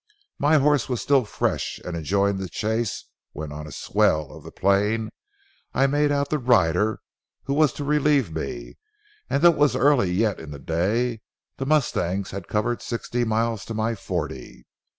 My horse was still fresh and enjoying the chase, when on a swell of the plain I made out the rider who was to relieve me; and though it was early yet in the day the mustangs had covered sixty miles to my forty.